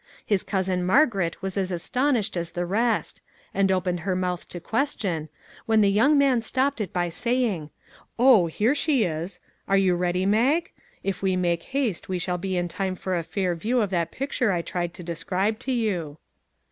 His cousin Margaret was as astonished as the rest, and opened her mouth to question, when the young man stopped it by saying :" Oh, here she is ! Are you ready, Mag? If we make haste, we shall 355 MAG AND MARGARET be in time for a fair view of that picture I tried to describe to you."